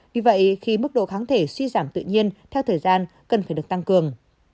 vì vậy khi mức độ kháng thể suy giảm tự nhiên theo thời gian cần phải được tăng cường